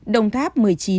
đồng tháp một mươi chín